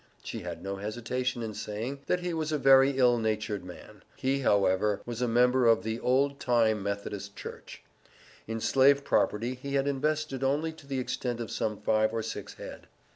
She had no hesitation in saying, that he was a very "ill natured man;" he however, was a member of the "old time Methodist Church." In Slave property he had invested only to the extent of some five or six head.